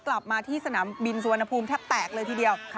กลับมาที่สนามบินสุวรรณภูมิแทบแตกเลยทีเดียว